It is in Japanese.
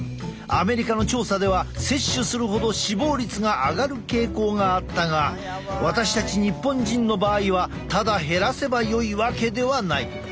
アメリカの調査では摂取するほど死亡率が上がる傾向があったが私たち日本人の場合はただ減らせばよいわけではない。